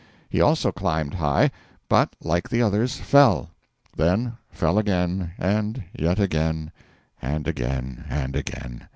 He also climbed high, but, like the others, fell; then fell again, and yet again, and again and again.